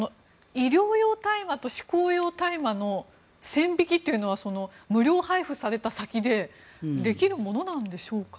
医療用大麻と嗜好用大麻の線引きというのは無料配布された先でできるものなんでしょうか？